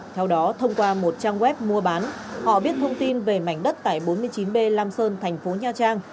theo đó thông qua một trang web mua bán họ biết thông tin về mảnh đất tại bốn mươi chín b lam sơn thành phố nha trang